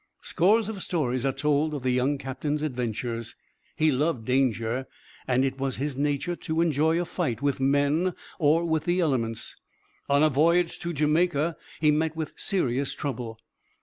Scores of stories are told of the young captain's adventures. He loved danger, and it was his nature to enjoy a fight with men or with the elements. On a voyage to Jamaica he met with serious trouble.